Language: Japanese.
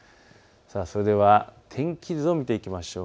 それでは天気図を見ていきましょう。